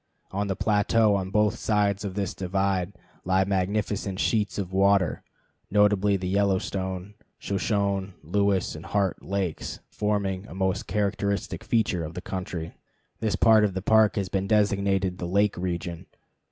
On the plateau on both sides of this divide lie magnificent sheets of water, notably the Yellowstone, Shoshone, Lewis and Heart lakes, forming a most characteristic feature of the country. This part of the Park has been designated the "lake region."